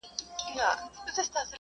زه هره ورځ مکتب ته ځم؟